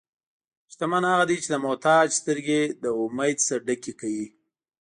شتمن هغه دی چې د محتاج سترګې له امید نه ډکې کوي.